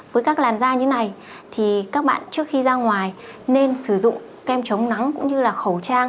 với các làn da như này thì các bạn trước khi ra ngoài nên sử dụng kem chống nắng cũng như là khẩu trang